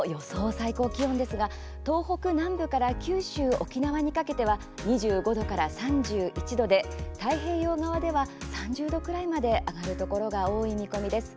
最高気温ですが東北南部から九州・沖縄にかけては２５度から３１度で太平洋側では３０度ぐらいまで上がるところが多い見込みです。